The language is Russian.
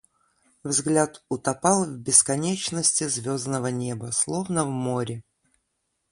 Взгляд утопал в бесконечности звездного неба, словно в море.